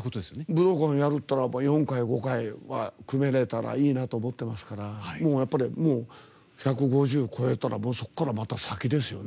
武道館やるっていったら４回、５回は組めたらいいなと思ってますからやっぱり１５０超えたらそこから、また先ですよね。